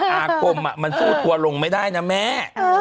อาคมมันสู้ทัวร์ลงไม่ได้นะแม่